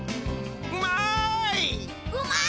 うまい！